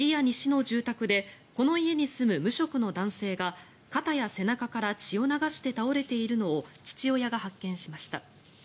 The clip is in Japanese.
西の住宅でこの家に住む無職の男性が肩や背中から血を流して倒れているのを父親が発見しました。